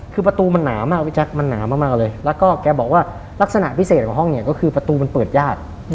คือประตูมันหนามากพี่แจ๊คมันหนามากเลยแล้วก็แกบอกว่าลักษณะพิเศษของห้องเนี่ยก็คือประตูมันเปิดยาก